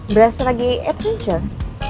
berhasil lagi adventure